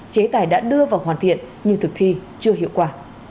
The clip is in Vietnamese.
chế tài đã đưa vào hoàn thiện nhưng thực thi chưa hiệu quả